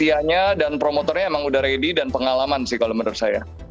iya dan promotornya emang udah ready dan pengalaman sih kalau menurut saya